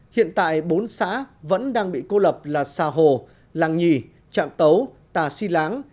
hiện tại bốn xã vẫn đang bị cô lập là xà hồ làng nhì trạm tấu tà si láng